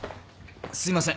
すいません。